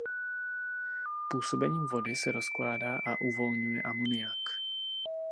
Působením vody se rozkládá a uvolňuje amoniak.